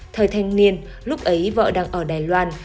thời thanh niên lúc ấy vợ đang ở đài loan